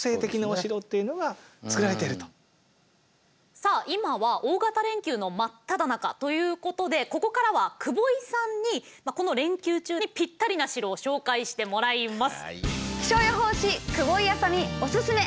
さあ今は大型連休の真っただ中ということでここからは久保井さんにこの連休中にぴったりな城を紹介してもらいます。